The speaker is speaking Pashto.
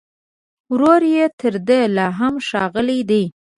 ورور يې تر ده لا هم ښاغلی دی